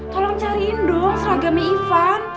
tolong cariin dong seragamnya ivan